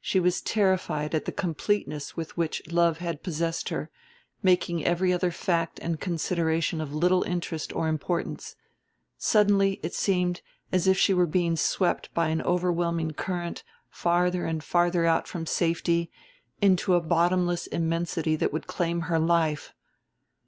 She was terrified at the completeness with which love had possessed her, making every other fact and consideration of little interest or importance. Suddenly it seemed as if she were being swept by an overwhelming current farther and farther out from safety into a bottomless immensity that would claim her life.